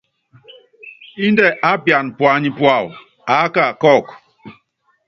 Índɛ aápiana puányi púawɔ, aáka kɔ́ɔku.